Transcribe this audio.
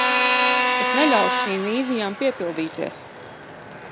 Es neļaušu šīm vīzijām piepildīties.